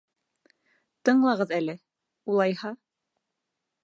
Тыңлағыҙ әле, улайһа.